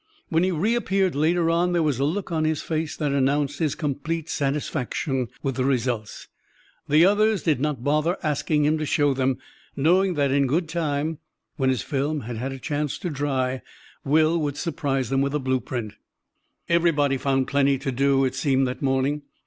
When he reappeared later on there was a look on his face that announced his complete satisfaction with the results. The others did not bother asking him to show them, knowing that in good time, when his film had had a chance to dry, Will would surprise them with a blueprint. Everybody found plenty to do, it seemed, that morning.